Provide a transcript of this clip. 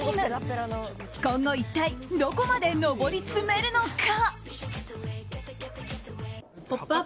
今後一体どこまで上り詰めるのか。